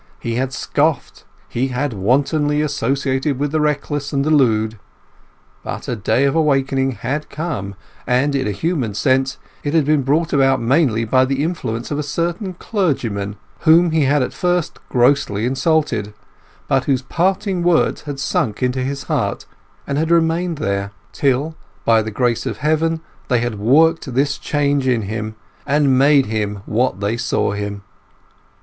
He had scoffed; he had wantonly associated with the reckless and the lewd. But a day of awakening had come, and, in a human sense, it had been brought about mainly by the influence of a certain clergyman, whom he had at first grossly insulted; but whose parting words had sunk into his heart, and had remained there, till by the grace of Heaven they had worked this change in him, and made him what they saw him.